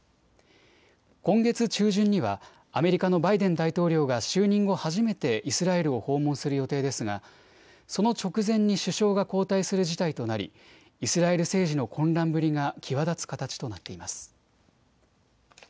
今月中旬にはアメリカのバイデン大統領が就任後、初めてイスラエルを訪問する予定ですがその直前に首相が交代する事態となりイスラエル政治の混乱ぶりが際立つ形となっています。